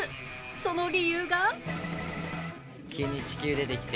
その理由が